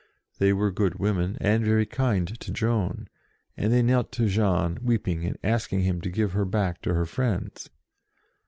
They were good women, and very kind to Joan, and they knelt to Jean, weeping, and asking him to give her back to her friends.